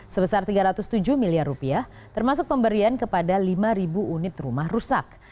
sebesar rp tiga ratus tujuh miliar rupiah termasuk pemberian kepada lima unit rumah rusak